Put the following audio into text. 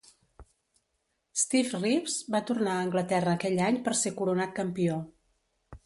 Steve Reeves va tornar a Anglaterra aquell any per ser coronat campió.